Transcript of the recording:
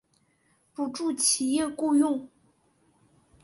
补助企业雇用